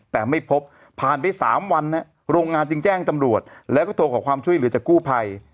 แต่ไม่พบผ่านไป๓วันโรงงานจึงแจ้งตำรวจแล้วก็โทรขอความช่วยเหลือจากกู้ภัย